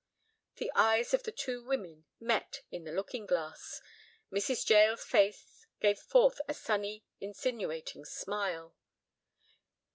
The eyes of the two women met in the looking glass. Mrs. Jael's face gave forth a sunny, insinuating smile.